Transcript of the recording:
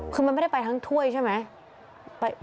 คือมันไม่ได้ไปทั้งถ้วยใช่ไหม